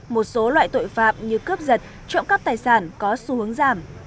một số loại tội phạm như cướp giật trộm cắp tài sản có xu hướng giảm